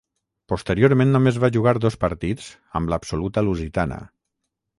Posteriorment, només va jugar dos partits amb l'absoluta lusitana.